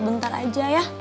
bentar aja ya